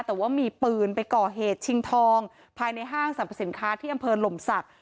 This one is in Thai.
แต่ว่ามีปืนไปก่อเหตุชิงทองภายในห้างสรรพสินค้าที่อำเภอหล่มศักดิ